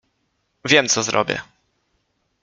Wiem, co zrobię!